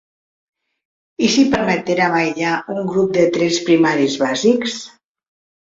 I si permetérem aïllar un grup de trets primaris bàsics?